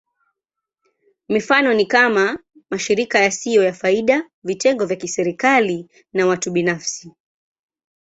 Mifano ni kama: mashirika yasiyo ya faida, vitengo vya kiserikali, na watu binafsi.